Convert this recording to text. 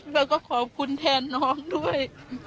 แล้วก็ขอบคุณแทนน้องด้วย